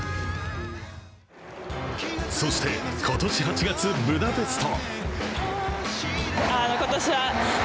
そして今年８月、ブダペスト。